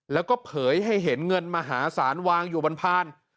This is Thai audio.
แล้วก็เผยให้เห็นเงินมหาศาลวางอยู่บนพาน